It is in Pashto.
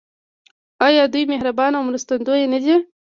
آیا دوی مهربان او مرستندوی نه دي؟